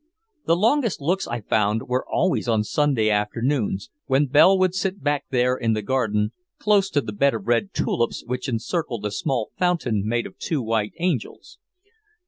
The longest looks, I found, were always on Sunday afternoons, when Belle would sit back there in the garden, close to the bed of red tulips which encircled a small fountain made of two white angels.